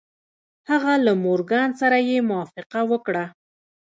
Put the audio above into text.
هغه له مورګان سره يې موافقه وکړه.